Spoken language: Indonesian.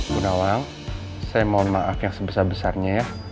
bu nawang saya mohon maaf yang sebesar besarnya ya